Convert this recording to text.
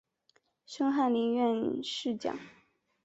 升翰林院侍讲。